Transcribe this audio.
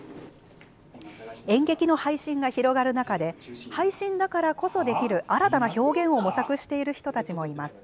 演劇の配信が広がる中で配信だからこそできる新たな表現を模索している人たちもいます。